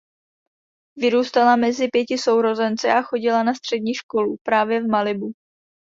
Vyrůstala mezi pěti sourozenci a chodila na střední školu právě v Malibu.